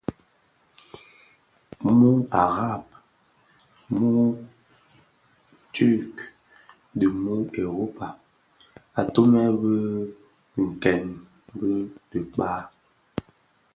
Muu araben, muturk dhi muu Europa atumè bi nke bè nkpag.